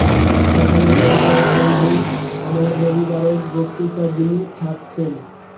এখানে জনকয়েক বন্ধু আমার রবিবারের বক্তৃতাগুলি ছাপছেন।